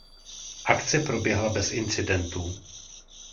Akce proběhla bez incidentů.